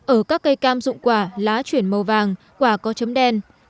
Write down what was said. ở các cây cam dụng quả lá chuyển màu vàng quả có chấm đen